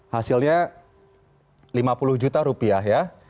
hasilnya lima puluh juta rupiah ya